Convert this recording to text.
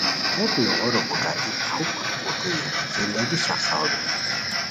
ہیت نوغورو گوݯہ ای پھوک کوٹوئی زندگی شاخڅئیاوا بیرانی